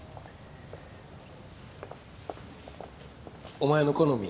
お前の好み？